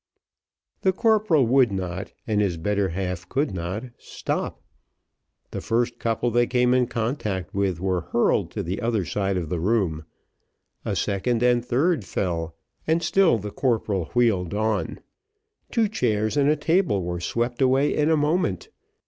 The corporal would not, and his better half could not, stop. The first couple they came in contact with were hurled to the other side of the room; a second and a third fell, and still the corporal wheeled on; two chairs and a table were swept away in a moment.